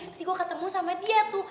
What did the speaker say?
nanti gue ketemu sama dia tuh